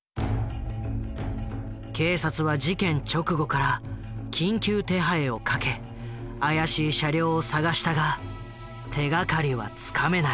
警察は事件直後から緊急手配をかけ怪しい車両を捜したが手がかりはつかめない。